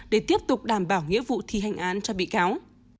để tiếp tục đảm bảo nghĩa vụ thi hành án cho bị cáo